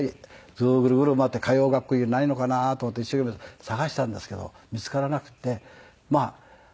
それをグルグル回って通う学校ないのかなと思って一生懸命探したんですけど見つからなくて。